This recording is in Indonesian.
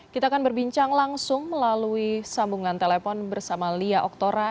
kita akan berbincang langsung melalui sambungan telepon bersama lia oktora